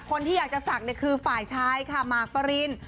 คนที่อยากจะศักดิ์คือฝ่ายชายค่ะหมากปริน